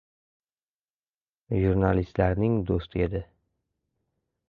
Jurnalistlarning do‘sti edi...